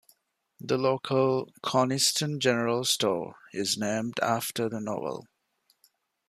The local "Coniston General Store" is named after the novel.